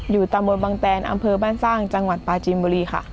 อยู่ตามวนบางแตนอำเภอบรรทรากจังหวัดปาจินบูรีค่ะ